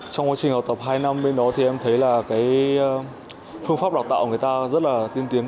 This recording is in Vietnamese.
trong quá trình học tập hai năm bên đó thì em thấy là cái phương pháp đào tạo của người ta rất là tiên tiến